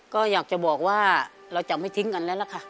ก็อยากจะบอกว่าเราจะไม่ทิ้งกันแล้วล่ะค่ะ